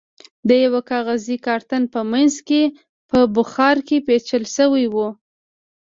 د یوه کاغذي کارتن په منځ کې په اخبار کې پېچل شوی و.